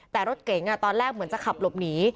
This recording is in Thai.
แต่รถเก๋งตอนแรกเหมือนจะขับหลบหนี